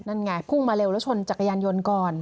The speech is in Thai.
นั่นไงพุ่งมาเร็วแล้วชนจักรยานยนต์ก่อน